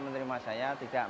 jumino dan istri siti sundari